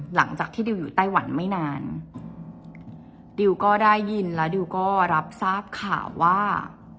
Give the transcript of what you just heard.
หลังจากที่ดิวอยู่ไต้หวันไม่นานดิวก็ได้ยินแล้วดิวก็รับทราบข่าวว่า